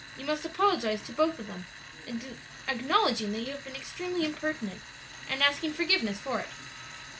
You must apologize to both of them, acknowledging that you have been extremely impertinent, and asking forgiveness for it."